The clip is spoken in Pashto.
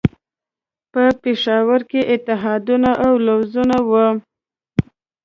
په پېښور کې اتحادونه او لوزونه وو.